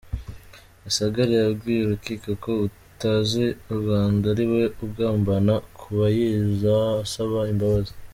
Rusagara yabwiye urukiko ko utazi u Rwanda ari we ugambana, Kabayiza asaba imbabazi.